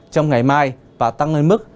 trong ngày mai và tăng lên mức